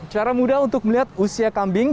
cara mudah untuk melihat usia kambing